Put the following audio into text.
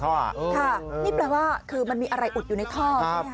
ค่ะนี่แปลว่าคือมันมีอะไรอุดอยู่ในท่อใช่ไหมค